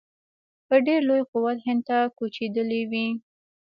په ډېر لوی قوت هند ته کوچېدلي وي.